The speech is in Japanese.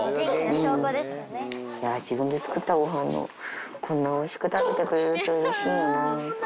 自分で作ったごはんを、こんなにおいしく食べてくれるとうれしいよな。